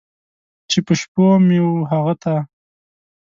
چې په شپو مې و هغه ته!